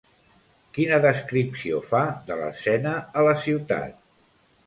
Quina descripció fa de l'escena a la ciutat?